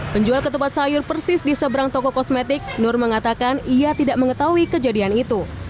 penjual ketupat sayur persis di seberang toko kosmetik nur mengatakan ia tidak mengetahui kejadian itu